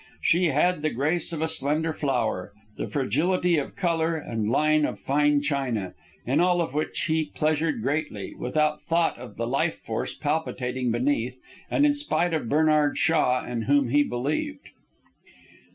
She had the grace of a slender flower, the fragility of colour and line of fine china, in all of which he pleasured greatly, without thought of the Life Force palpitating beneath and in spite of Bernard Shaw in whom he believed.